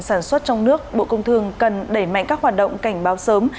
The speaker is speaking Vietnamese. để bảo vệ ngành sản xuất trong nước bộ công thương cần đẩy mạnh các hoạt động cảnh báo sớm